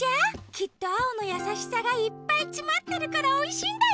きっとアオのやさしさがいっぱいつまってるからおいしいんだよ！